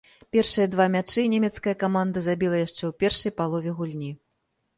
Першыя два мячы нямецкая каманда забіла яшчэ ў першай палове гульні.